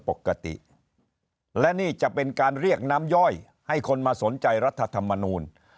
ปกติและนี่จะเป็นการเรียกน้ำย่อยให้คนมาสนใจรัฐธรรมนูล